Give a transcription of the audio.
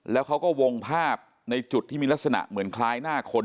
แล้วเขาก็วงภาพในจุดที่มีลักษณะเหมือนคล้ายหน้าคน